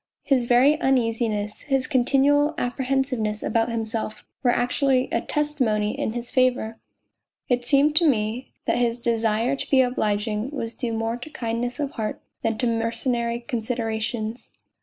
His very uneasi ness, his continual apprehensive ness about himself, were actually a testimony in his favour. It seemed to me that his desire to be obliging was due more to kindness of heart than to mer cenary considerations.